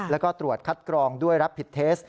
แล้วก็ตรวจคัดกรองด้วยรับผิดเทส